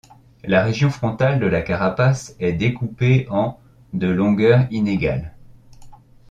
La région frontale de la carapace est découpée en de longueur inégale.